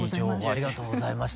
ありがとうございます。